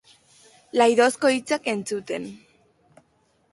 Laidozko hitzak entzuten.